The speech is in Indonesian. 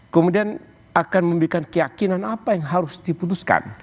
kemudian akan memberikan keyakinan apa yang harus diputuskan